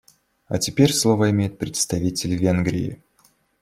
А теперь слово имеет представитель Венгрии.